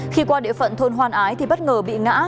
khi qua địa phận thôn hoan ái thì bất ngờ bị ngã